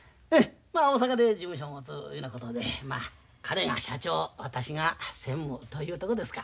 まあ大阪で事務所持ついうようなことでまあ彼が社長私が専務というとこですか。